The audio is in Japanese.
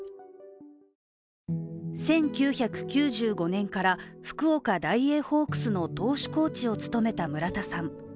１９９５年から福岡ダイエーホークスの投手コーチを務めた村田さん。